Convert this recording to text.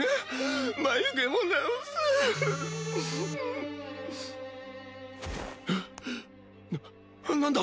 眉毛も直す何だ